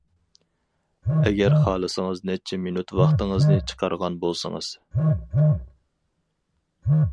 ئەگەر خالىسىڭىز نەچچە مىنۇت ۋاقتىڭىزنى چىقارغان بولسىڭىز.